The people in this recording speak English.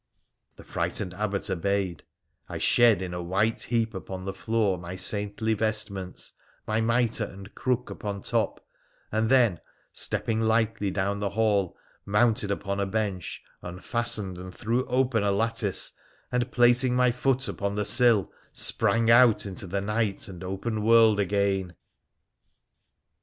' The frightened Abbot obeyed ; I shed in a white heap upon the floor my saintly vestments, my mitre and crook on top, and then, stepping lightly down the hall, mounted upon a bench, unfastened and threw open a lattice, and, placing my foot upon the sill, sprang out into the night and open world again